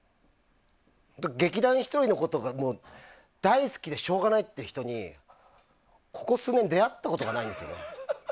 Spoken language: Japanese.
劇団ひとりのことが大好きでしょうがないという人にここ数年出会ったことがないんですよね。